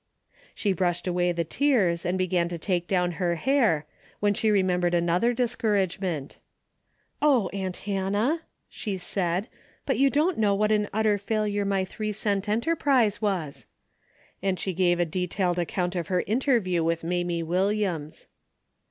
She brushed away the tears and began to take down her hair, when she remembered another discouragement. " Oh, aunt Hannah," she said, " but you don't know what an utter failure my three cent enterprise was," and she gave a detailed account of her interview with Mamie Wil liams.